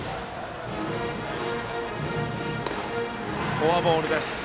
フォアボールです。